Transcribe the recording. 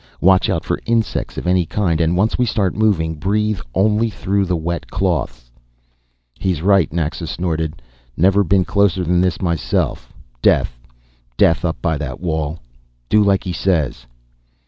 Watch out for insects of any kind and once we start moving breathe only through the wet cloths." "He's right," Naxa snorted. "N'ver been closer'n this m'self. Death, death up by that wall. Do like 'e says."